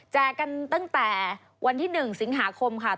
กันตั้งแต่วันที่๑สิงหาคมค่ะ